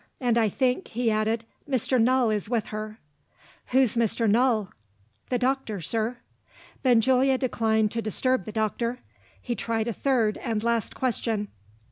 "And I think," he added, "Mr. Null is with her." "Who's Mr. Null?" "The doctor, sir." Benjulia declined to disturb the doctor. He tried a third, and last question.